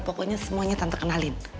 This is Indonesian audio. pokoknya semuanya tante kenalin